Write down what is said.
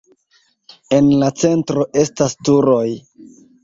En la centro estas turoj.